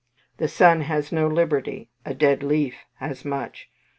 The Sun has no liberty a dead leaf has much.